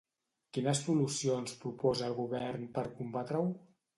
Quines solucions proposa el govern per combatre-ho?